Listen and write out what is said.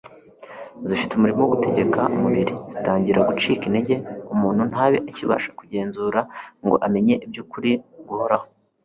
zifite umurimo wo gutegeka umubiri, zitangira gucika intege, umuntu ntabe akibasha kugenzura ngo amenye iby'ukuri guhoraho